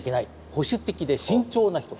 保守的で慎重な人。